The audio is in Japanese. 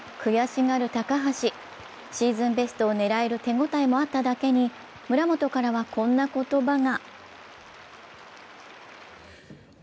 悔しがる高橋、シーズンベストを狙える手応えもあっただけに、村元からはこんな言葉が。